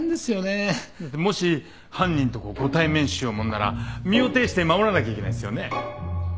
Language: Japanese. もし犯人とご対面しようものなら身をていして守らなきゃいけないんですよね？